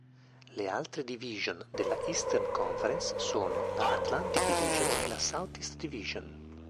Le altre division della Eastern Conference sono: la Atlantic Division e la Southeast Division.